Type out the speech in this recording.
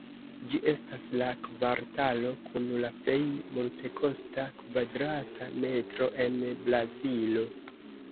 Ĝi estas la kvartalo kun la plej multekosta kvadrata metro en Brazilo.